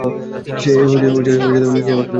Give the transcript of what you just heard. সে নিজেই আমাকে বলেছিল।